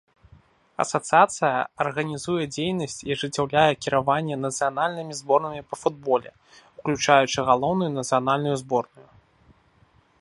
Асацыяцыя арганізуе дзейнасць і ажыццяўляе кіраванне нацыянальнымі зборнымі па футболе, уключаючы галоўную нацыянальную зборную.